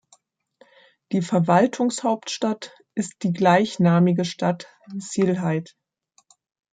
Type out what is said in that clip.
Die Verwaltungshauptstadt ist die gleichnamige Stadt Sylhet.